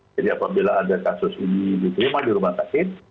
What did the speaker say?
jadi apabila ada kasus ini diterima di rumah sakit